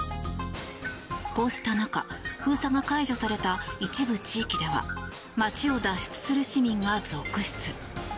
こうした中封鎖が解除された一部地域では街を脱出する市民が続出。